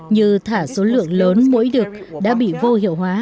như thả số lượng lớn mũi đực đã bị vô hiệu hóa